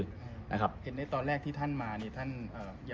มองว่าเป็นการสกัดท่านหรือเปล่าครับเพราะว่าท่านก็อยู่ในตำแหน่งรองพอด้วยในช่วงนี้นะครับ